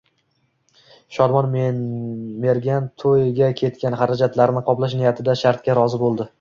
Shodmon mergan to‘yga ketgan xarajatlarni qoplash niyatida shartga rozi bo‘ldi